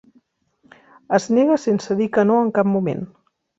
Es nega sense dir que no en cap moment.